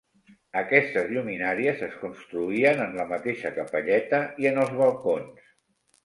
Aquestes lluminàries es construïen en la mateixa capelleta i en els balcons.